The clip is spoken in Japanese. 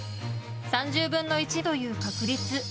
３０分の１という確率。